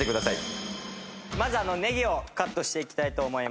まずネギをカットしていきたいと思います。